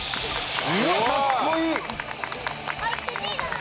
うわかっこいい。